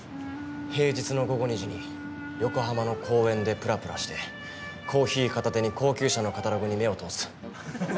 平日の午後２時に横浜の公園で、ぷらぷらしてコーヒー片手に高級車のカタログに目を通す。